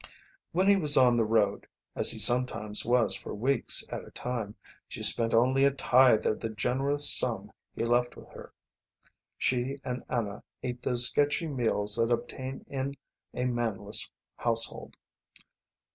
When he was on the road, as he sometimes was for weeks at a time, she spent only a tithe of the generous sum he left with her. She and Anna ate those sketchy meals that obtain in a manless household.